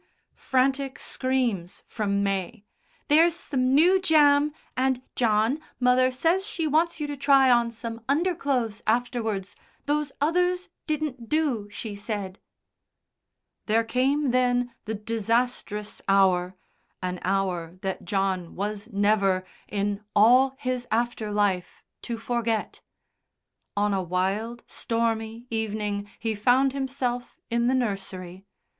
Frantic screams from May. "There's some new jam, and, John, mother says she wants you to try on some underclothes afterwards. Those others didn't do, she said...." There came then the disastrous hour an hour that John was never, in all his after life, to forget. On a wild stormy evening he found himself in the nursery.